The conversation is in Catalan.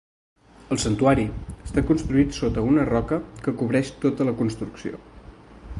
El santuari està construït sota una roca que cobreix tota la construcció.